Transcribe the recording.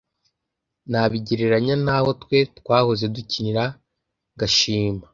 nabigereranya n’aho twe twahoze dukinira ngashima